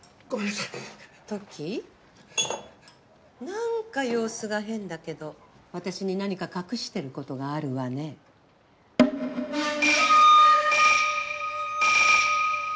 何か様子が変だけど私に何か隠してることがあるわね？ハァ。